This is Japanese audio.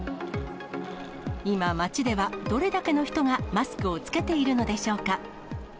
今、街ではどれだけの人がマスクを着けているのでしょうか。